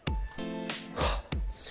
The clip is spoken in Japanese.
あっ！